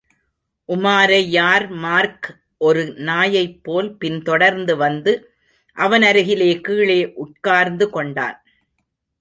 உமாரை யார்மார்க் ஒரு நாயைப்போல் பின் தொடர்ந்து வந்து, அவனருகிலே கீழே உட்கார்ந்து கொண்டான்.